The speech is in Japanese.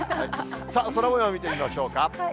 空もよう見てみましょうか。